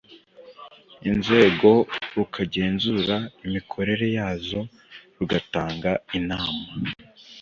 inzego rukagenzura imikorere yazo rugatanga inama